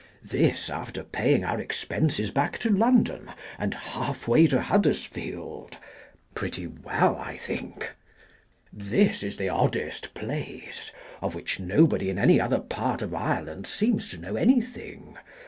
This, after paying our expenses back to London, and halfway to Huddersfield. Pretty well, I think? This is the oddest place — of which nobody in any other part of Ireland seems to know anything.